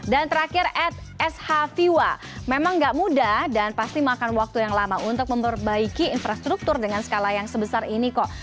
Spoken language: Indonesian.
dan terakhir ed s h viva memang nggak mudah dan pasti makan waktu yang lama untuk memperbaiki infrastruktur dengan skala yang sebesar ini kok